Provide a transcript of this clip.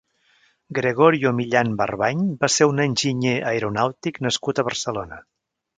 Gregorio Millán Barbany va ser un enginyer aeronàutic nascut a Barcelona.